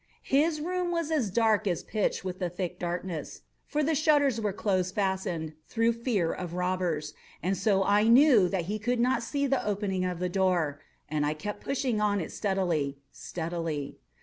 His room was as black as pitch with the thick darkness, (for the shutters were close fastened, through fear of robbers,) and so I knew that he could not see the opening of the door, and I kept pushing it on steadily, steadily.